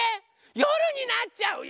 よるになっちゃうよ！